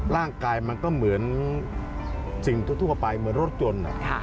ร่างกายมันก็เหมือนสิ่งทั่วไปเหมือนรถยนต์